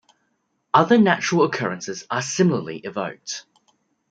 Other natural occurrences are similarly evoked.